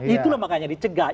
itu lah makanya dicegah